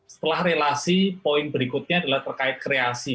setelah relasi poin berikutnya adalah terkait kreasi